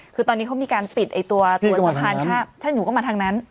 คือตอนนี้เขามีการปิดไอ้ตัวตัวสะพานค่ะฉันหนูก็มาทางนั้น